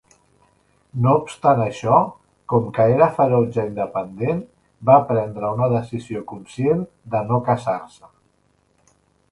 No obstant això, com que era ferotge independent, va prendre una decisió conscient de no casar-se.